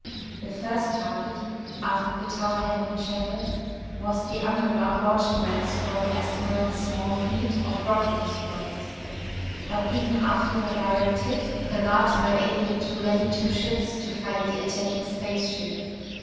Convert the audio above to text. The first target, after the tower had been shattered, was the underground launching ramps for the asteroid's small fleet of rocket destroyers. But even after a direct hit, the guards were able to ready two ships to fight the attacking spaceship.